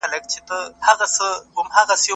قلمي خط د تدریس د بریالیتوب تر ټولو ښکاره نښه ده.